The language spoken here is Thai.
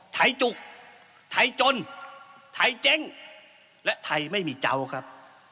จุกไทยจนไทยเจ๊งและไทยไม่มีเจ้าครับ